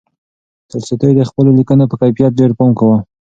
تولستوی د خپلو لیکنو په کیفیت کې ډېر پام کاوه.